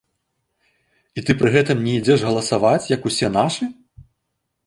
І ты пры гэтым не ідзеш галасаваць як усе нашы?